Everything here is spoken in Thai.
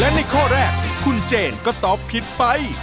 และในข้อแรกคุณเจนก็ตอบผิดไป